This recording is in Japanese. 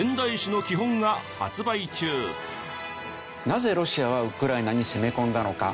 なぜロシアはウクライナに攻め込んだのか